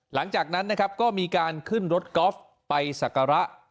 หลังจากนั้นนะครับก็มีการขึ้นรถกอล์ฟไปศักระ